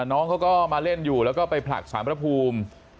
น้องเขาก็มาเล่นอยู่แล้วก็ไปผลักสารพระภูมิ